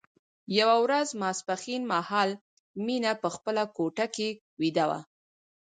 یوه ورځ ماسپښين مهال مينه په خپله کوټه کې ويده وه